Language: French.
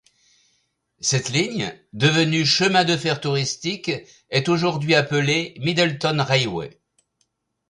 Cette ligne, devenue chemin de fer touristique est aujourd'hui appelée Middleton Railway.